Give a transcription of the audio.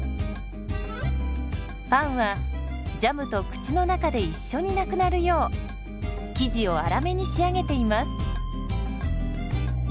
パンはジャムと口の中で一緒になくなるよう生地を粗めに仕上げています。